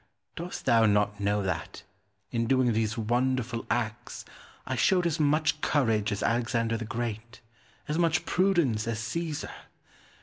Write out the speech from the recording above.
Dost thou not know that, in doing these wonderful acts, I showed as much courage as Alexander the Great, as much prudence as Caesar?